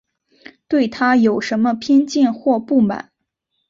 对她有什么偏见或不满